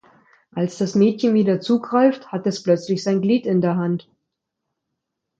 Als das Mädchen wieder zugreift, hat es plötzlich sein Glied in der Hand.